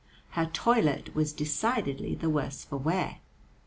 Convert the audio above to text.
Her toilet was decidedly the worse for wear.